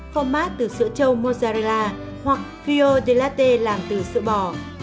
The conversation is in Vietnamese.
format từ sữa trâu mozzarella hoặc fio di latte làm từ sữa bò